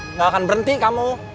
nggak akan berhenti kamu